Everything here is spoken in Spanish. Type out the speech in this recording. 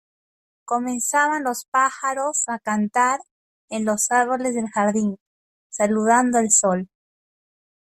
comenzaban los pájaros a cantar en los árboles del jardín, saludando al sol